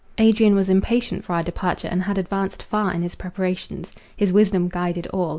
Adrian was impatient for our departure, and had advanced far in his preparations. His wisdom guided all.